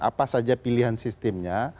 apa saja pilihan sistemnya